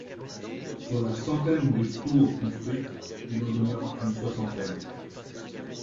Sur la centaine de tours construites, il n'en demeure qu'une soixantaine.